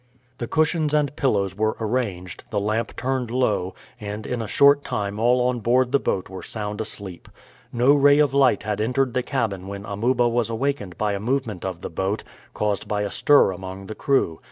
The cushions and pillows were arranged, the lamp turned low, and in a short time all on board the boat were sound asleep. No ray of light had entered the cabin when Amuba was awakened by a movement of the boat, caused by a stir among the crew.